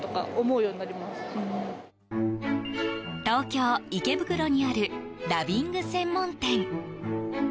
東京・池袋にあるダビング専門店。